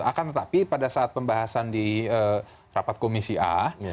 akan tetapi pada saat pembahasan di rapat komisi a